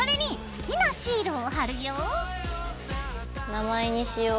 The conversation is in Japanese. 名前にしよう。